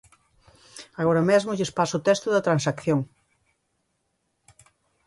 Agora mesmo lles paso o texto da transacción.